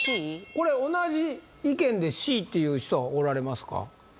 これ同じ意見でＣっていう人はおられますか？